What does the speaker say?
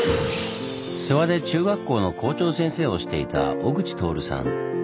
諏訪で中学校の校長先生をしていた小口徹さん。